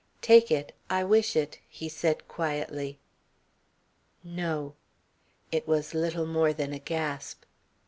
"Take it. I wish it," he said quietly. "No." It was little more than a gasp.